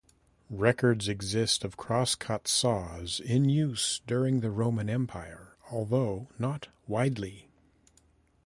Records exist of crosscut saws in use during the Roman Empire although not widely.